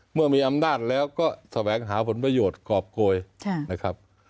เมื่อมีอำนาจแล้วก็แสวงหาผลประโยชน์กรอบโกยนะครับ